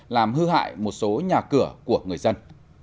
làm hư hại một số nhà cửa của người dân